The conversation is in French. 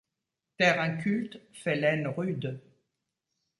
Terre inculte fait laine rude.